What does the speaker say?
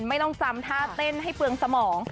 ไม่ต้องจำท่าเต้นให้เปลืองสมอง